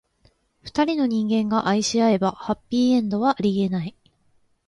二人の人間が愛し合えば、ハッピーエンドはありえない。